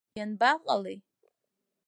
Ианбаҟалеи?